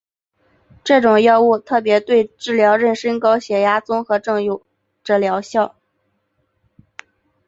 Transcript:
这种药物特别对治疗妊娠高血压综合征有着疗效。